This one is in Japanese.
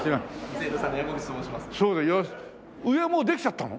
上はもうできちゃったの？